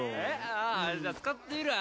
ああじゃあ使ってみるわ。